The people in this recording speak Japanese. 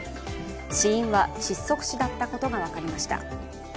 死因は窒息死だったことが分かりました。